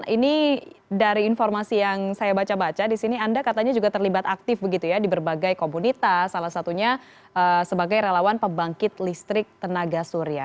ini dari informasi yang saya baca baca di sini anda katanya juga terlibat aktif begitu ya di berbagai komunitas salah satunya sebagai relawan pembangkit listrik tenaga surya